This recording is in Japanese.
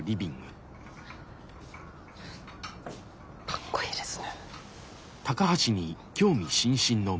かっこいいですね。